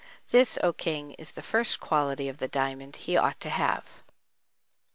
This, O King, is the first quality of the diamond he ought to have.